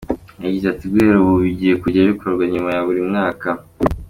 Yagize ati “Guhera ubu bigiye kujya bikorwa nyuma ya buri mwaka.